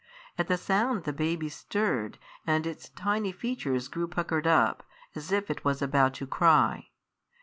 At the sound the baby stirred, and its tiny features grew puckered up, as if it was about to cry.